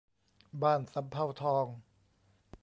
บ้านสำเภาทอง